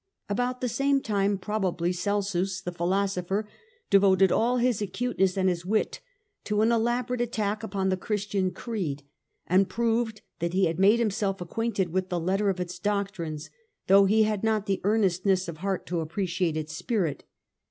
About the same time, probably, Celsus the philoso pher devoted all his acuteness and his wit to an elaborate attack upon the Christian creed, and proved The attack that he had made himself acquainted with the of Celsus, letter of its doctrines, though he had not the earnestness of heart to appreciate its spirit.